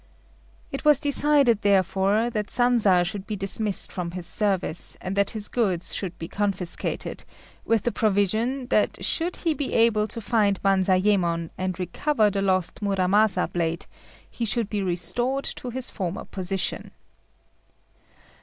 It was decided, therefore, that Sanza should be dismissed from his service, and that his goods should be confiscated; with the proviso that should he be able to find Banzayémon, and recover the lost Muramasa blade, he should be restored to his former position.